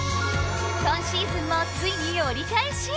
今シーズンもついに折り返し。